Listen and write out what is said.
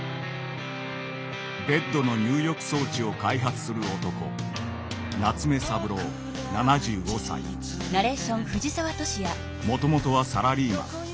ベッドの入浴装置を開発する男もともとはサラリーマン。